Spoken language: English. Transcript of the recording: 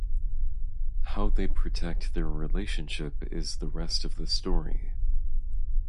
How they protect their relationship is the rest of the story.